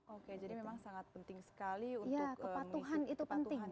oke jadi memang sangat penting sekali untuk kepatuhan